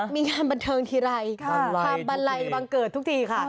มีงานบันเทิงทีไรความบันไลบังเกิดทุกทีค่ะ